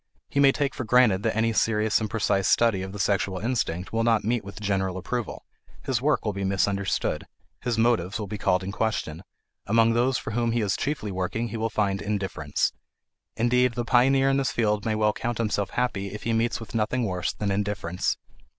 He may take for granted that any serious and precise study of the sexual instinct will not meet with general approval; his work will be misunderstood; his motives will be called in question; among those for whom he is chiefly working he will find indifference. Indeed, the pioneer in this field may well count himself happy if he meets with nothing worse than indifference.